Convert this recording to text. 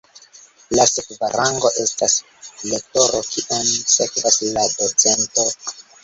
La sekva rango estas lektoro, kiun sekvas la docento.